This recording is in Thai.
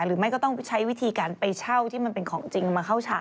หรือไม่ก็ต้องใช้วิธีการไปเช่าที่มันเป็นของจริงมาเข้าฉาก